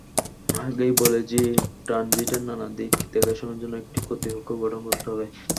আগেই বলেছি, ট্রানজিটের নানা দিক দেখাশোনার জন্য একটি কর্তৃপক্ষ গঠন করতে হবে।